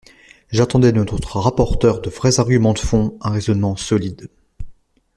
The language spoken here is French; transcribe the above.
J’attendais de notre rapporteur de vrais arguments de fond, un raisonnement solide.